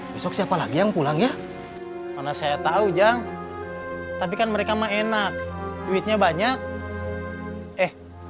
besok siapa lagi yang pulang ya mana saya tahu jang tapi kan mereka mah enak duitnya banyak eh